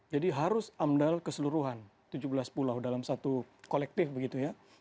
jadi harus amdal keseluruhan tujuh belas pulau dalam satu kolektif begitu ya